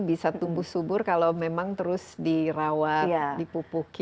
bisa tumbuh subur kalau memang terus dirawat dipupuki